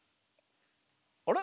あれ？